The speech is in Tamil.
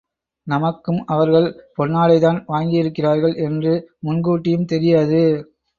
நமக்கும் அவர்கள் பொன்னாடை தான் வாங்கியிருக்கிறார்கள் என்று முன்கூட்டியும் தெரியாது.